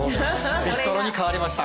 ビストロに変わりました。